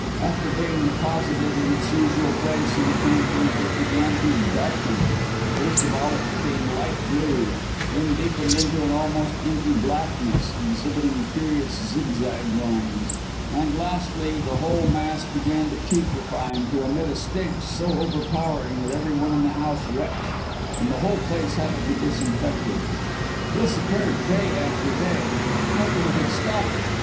After being deposited, in its usual place, in the pantry, it began to darken; first of all it became light blue, then deepened into an almost inky blackness, exhibiting curious zigzag lines; and, lastly, the whole mass began to putrefy and to emit a stench so overpowering that every one in the house retched, and the whole place had to be disinfected. This occurred day after day. Nothing would stop it.